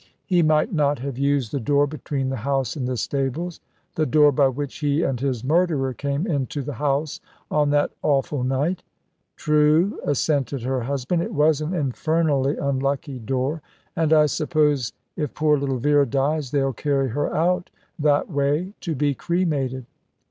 "He might not have used the door between the house and the stables the door by which he and his murderer came into the house on that awful night." "True," assented her husband, "it was an infernally unlucky door, and I suppose if poor little Vera dies they'll carry her out that way to be cremated."